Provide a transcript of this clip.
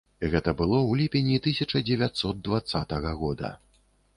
Гэта было ў ліпені тысяча дзевяцьсот дваццатага года.